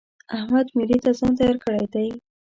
احمد مېلې ته ځان تيار کړی دی.